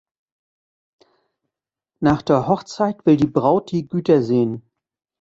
Nach der Hochzeit will die Braut die Güter sehen.